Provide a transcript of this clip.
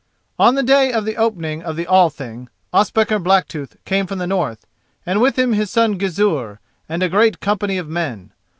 On the day of the opening of the Thing Ospakar Blacktooth came from the north, and with him his son Gizur and a great company of men.